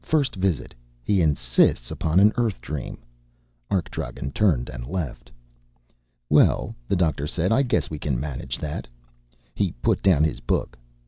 First visit. He insists upon an Earth dream." Arkdragen turned and left. "Well," the doctor said, "I guess we can manage that." He put down his book.